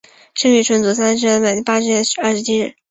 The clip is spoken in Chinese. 生于纯祖三十二年八月二十七日。